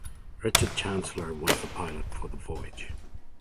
Richard Chancellor was the pilot for the voyage.